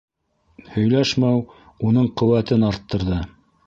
Һөйләшмәү уның ҡеүәтен арттырҙы.